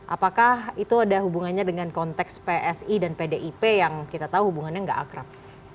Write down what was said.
apakah itu ada hubungannya dengan konteks psi dan pdip yang kita tahu hubungannya nggak akrab